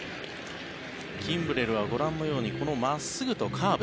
キンブレルはご覧のように真っすぐとカーブ。